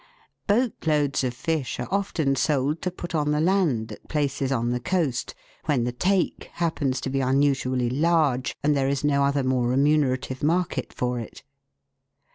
Boatloads of fish are often sold to put on the land at places on the coast, when the "take" happens to be unusually large, and there is no other more remunerative market for it.